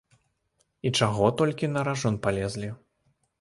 І чаго толькі на ражон палезлі?